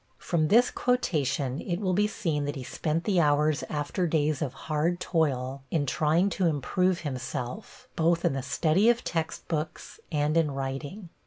From this quotation it will be seen that he spent the hours after days of hard toil in trying to improve himself, both in the study of textbooks and in writing.